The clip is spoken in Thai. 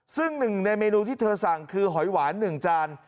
ซึ่งหนึ่งในเมนูที่เธอสั่งคือหอยหวาน๑จาน